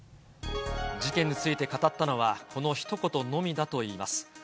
事件について語ったのは、このひと言のみだといいます。